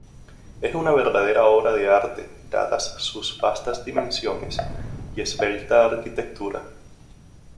Es una verdadera obra de arte dadas sus vastas dimensiones y esbelta arquitectura.